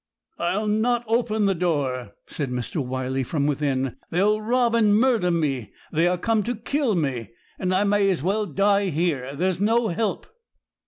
'I'll not open the door!' said Mr. Wyley from within; 'they will rob and murder me. They are come to kill me, and I may as well die here. There's no help.'